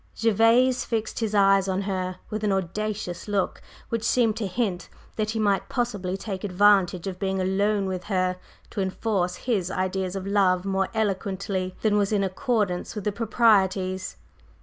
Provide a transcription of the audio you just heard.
Gervase fixed his eyes on her with an audacious look which seemed to hint that he might possibly take advantage of being alone with her to enforce his ideas of love more eloquently than was in accordance with the proprieties.